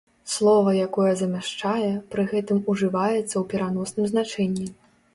Слова, якое замяшчае, пры гэтым ужываецца ў пераносным значэнні.